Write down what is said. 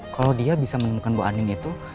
kalau dia bisa menemukan bu anin itu